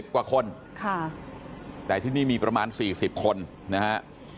กว่าคนแต่ที่นี่มีประมาณ๔๐คนนะฮะ